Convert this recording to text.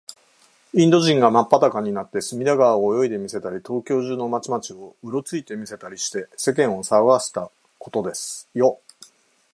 インド人がまっぱだかになって、隅田川を泳いでみせたり、東京中の町々を、うろついてみせたりして、世間をさわがせたことですよ。